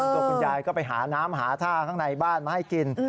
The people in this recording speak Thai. ตัวคุณยายก็ไปหาน้ำหาท่าข้างในบ้านมาให้กิน